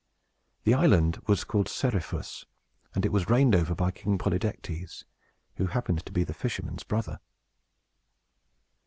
The island was called Seriphus, and it was reigned over by King Polydectes, who happened to be the fisherman's brother.